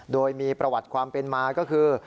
โดยมีประวัติความเป็นมาก็คือ